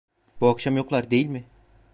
Bu akşam yoklar değil mi?